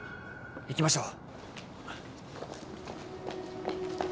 行きましょう。